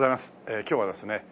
今日はですね